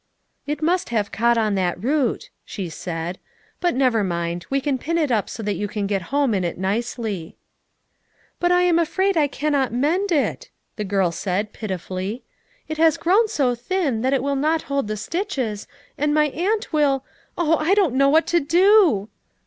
"It must have caught on that root," she said. "But never mind, we can pin it up so that you can get home in it nicely." FOUE MOTHERS AT CHAUTAUQUA 87 "But I am afraid I cannot mend it," the girl said, pitifully. "It has grown so thin that it will not hold the stitches, and my aunt will — Oh, I don't know what to do!"